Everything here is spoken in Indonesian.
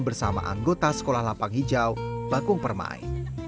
bersama anggota sekolah lapang hijau bakung permai